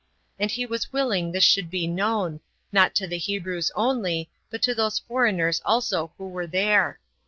21 And he was willing this should be known, not to the Hebrews only, but to those foreigners also who were there.